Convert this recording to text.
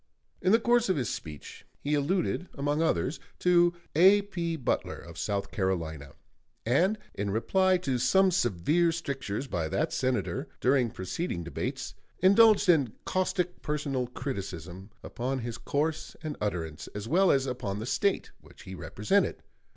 In the course of his speech he alluded, among others, to A.P. Butler, of South Carolina, and in reply to some severe strictures by that Senator during preceding debates, indulged in caustic personal criticism upon his course and utterance, as well as upon the State which he represented.